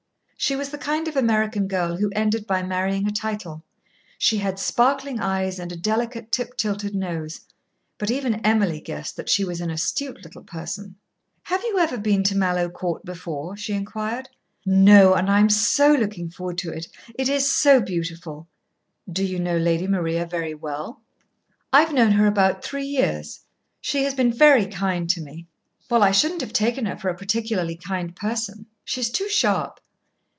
She was the kind of American girl who ended by marrying a title. She had sparkling eyes and a delicate tip tilted nose. But even Emily guessed that she was an astute little person. "Have you ever been to Mallowe Court before?" she inquired. "No; and I am so looking forward to it. It is so beautiful." "Do you know Lady Maria very well?" "I've known her about three years. She has been very kind to me." "Well, I shouldn't have taken her for a particularly kind person. She's too sharp."